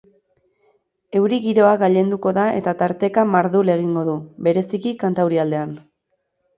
Euri giroa gailenduko da eta tarteka mardul egingo du, bereziki kantaurialdean.